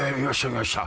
見ました。